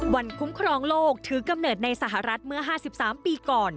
คุ้มครองโลกถือกำเนิดในสหรัฐเมื่อ๕๓ปีก่อน